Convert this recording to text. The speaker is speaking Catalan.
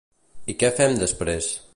I què fem després?